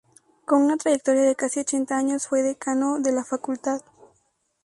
Con una trayectoria de casi ochenta años fue decano de la facultad.